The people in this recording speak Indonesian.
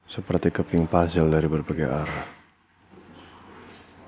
seperti keping puzzle dari berbagai arah